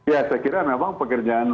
ya saya kira memang pekerjaan